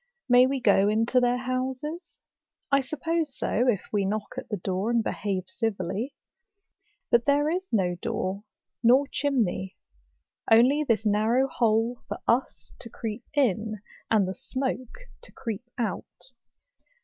May we go into their houses?—I suppose so, if we knock at the door, and behave civilly. But there is no door nor chimney; only this narrow hole for us to creep in, and the smoke to creep out.